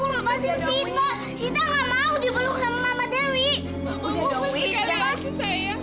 gak mau lepasin sita